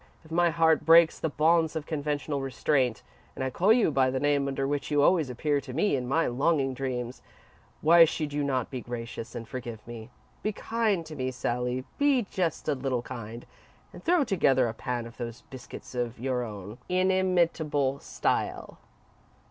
If my heart breaks the bonds of conventional restraint, and I call you by the name under which you always appear to me in my longing dreams, why should you not be gracious, and forgive me? Be kind to me, Sally, be just a little kind, and throw together a pan of those biscuits in your own inimitable style!"